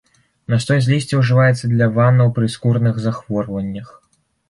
Настой з лісця ўжываецца для ваннаў пры скурных захворваннях.